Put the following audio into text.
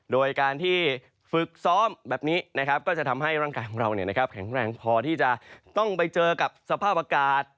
โดยการที่ฝึกซ้อมแบบนี้นะครับก็จะทำให้ร่างกายของเราแข็งแรงพอที่จะต้องไปเจอกับสภาพอากาศ